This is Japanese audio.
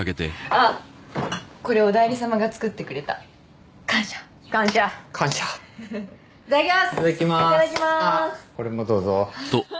あっこれもどうぞふふ